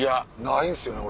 ないんですよね